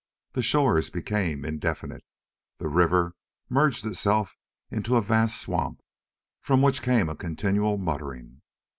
The shores became indefinite. The river merged itself into a vast swamp from which came a continual muttering.